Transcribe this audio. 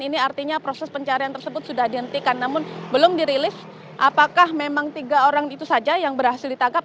ini artinya proses pencarian tersebut sudah dihentikan namun belum dirilis apakah memang tiga orang itu saja yang berhasil ditangkap